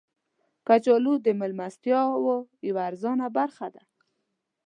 کچالو د میلمستیاو یوه ارزانه برخه ده